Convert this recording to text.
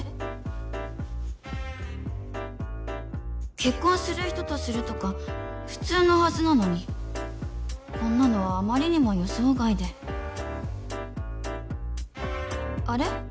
結婚する人とスるとか普通のはずなのにこんなのはあまりにも予想外であれ？